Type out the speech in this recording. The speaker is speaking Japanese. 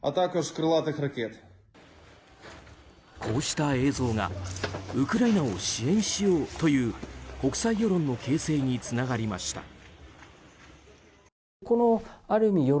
こうした映像がウクライナを支援しようという国際世論の形成につながりました。